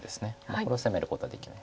これを攻めることはできないです。